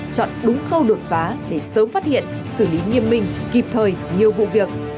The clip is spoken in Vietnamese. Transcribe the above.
chọn đúng khâu đột phá để sớm phát hiện xử lý nghiêm minh kịp thời nhiều vụ việc